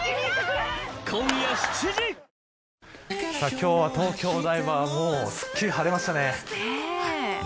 今日は東京、お台場はもうすっきり晴れましたね